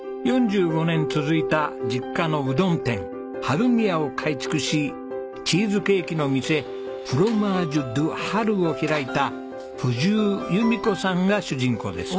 ４５年続いた実家のうどん店春見屋を改築しチーズケーキの店ｆｒｏｍａｇｅｄｅＨＡＲＵを開いた藤生弓子さんが主人公です。